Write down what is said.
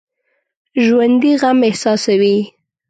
ژوندي غم احساسوي